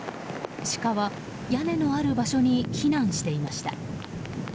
シカは屋根のある場所に避難していました。